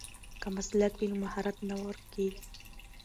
که مسلک وي نو مهارت نه ورکېږي.